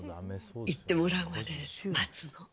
言ってもらうまで待つの。